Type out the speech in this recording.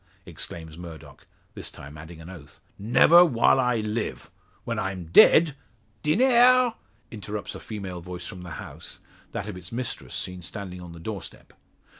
exclaims Murdock, this time adding an oath. "Never while I live. When I'm dead " "Diner!" interrupts a female voice from the house, that of its mistress seen standing on the doorstep.